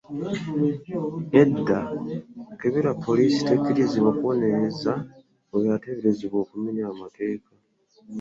Nedda kebeere poliisi tekirizibw akubonereza oyo ateeberezebwa okumenya mateeka.